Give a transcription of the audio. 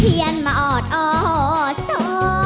เทียนมาออดอ่อสะ